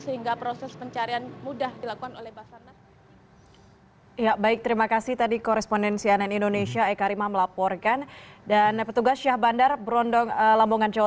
sehingga proses pencarian mudah dilakukan oleh basarnas